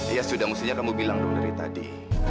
iya sudah mestinya kamu bilang dong dari tadi